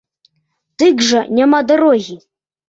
Дык жа няма дарогі.